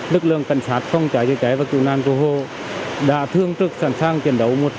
lực lượng cảnh sát phòng trải chế chế và cựu nàn của hồ đã thương trực sẵn sàng kiểm đấu một trăm linh